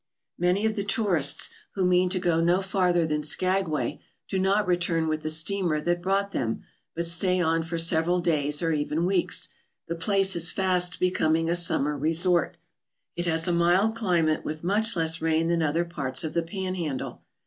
Many of the tourists, who mean to go no farther than Skagway, do not return with the steamer that brought them, but stay on for several days or even weeks. The place is fast becoming a summer resort. It has a mild climate, with much less rain than other parts of the Pan handle.